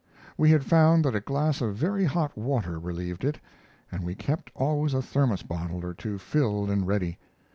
We had found that a glass of very hot water relieved it, and we kept always a thermos bottle or two filled and ready.